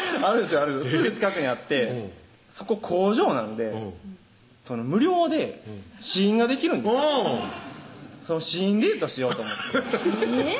すぐ近くにあってそこ工場なんで無料で試飲ができるんですその試飲デートしようと思ってえぇ？